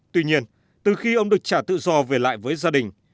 tuy nhiên từ khi ông được trả tự do về lại với gia đình